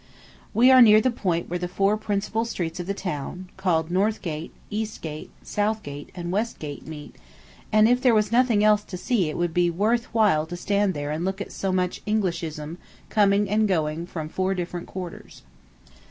We are near the point where the four principal streets of the town, called Northgate, Eastgate, Southgate, and Westgate, meet, and if there was nothing else to see it would be worth while to stand there and look at so much Englishism coming and going from four different quarters.